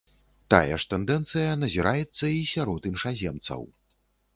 Тая ж тэндэнцыя назіраецца і сярод іншаземцаў.